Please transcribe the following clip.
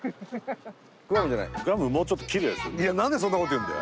もうちょっときれいですよ。